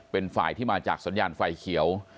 เป็นฝ่ายที่มาจากสัญญาณไฟเขียว